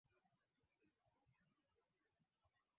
baada ya pendekezo kutoka kwa viongozi wa mataifa ya afrika magharibi